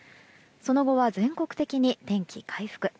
その後は全国的に天気回復。